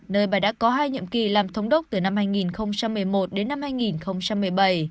nơi bà đã có hai nhiệm kỳ làm thống đốc từ năm hai nghìn một mươi một đến năm hai nghìn một mươi bảy